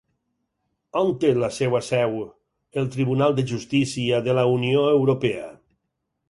On té la seva seu el Tribunal de Justícia de la Unió Europea?